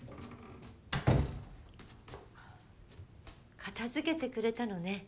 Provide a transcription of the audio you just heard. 片付けてくれたのね。